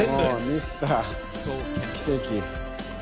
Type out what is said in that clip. ミスター奇跡。